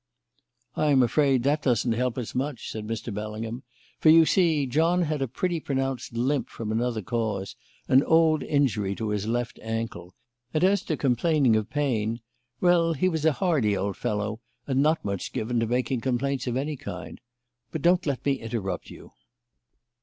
"I am afraid that doesn't help us much," said Mr. Bellingham; "for, you see, John had a pretty pronounced limp from another cause, an old injury to his left ankle; and as to complaining of pain well, he was a hardy old fellow and not much given to making complaints of any kind. But don't let me interrupt you."